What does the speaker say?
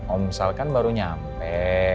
om sal kan baru nyampe